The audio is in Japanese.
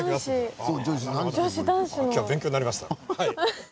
今日は勉強になりました。